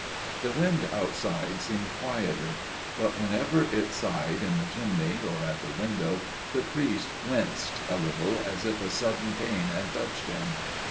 The wind outside seemed quieter. But whenever it sighed in the chimney or at the window the priest winced a little, as if a sudden pain had touched him.